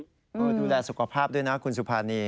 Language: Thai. ดูแลสุขภาพด้วยนะคุณสุภานี